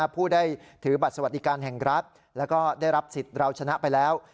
ผู้ได้ถือบัตรสวัสดิการแห่งรัฐแล้วก็ได้รับสิทธิ์เราชนะไปแล้ว